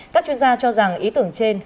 các chuyên gia cho rằng ý tưởng trên